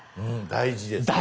大事です。